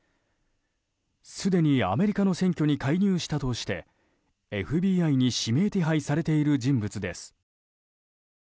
すでにアメリカの選挙に介入したとしてＦＢＩに指名手配されている人物です。